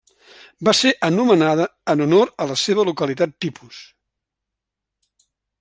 Va ser anomenada en honor a la seva localitat tipus.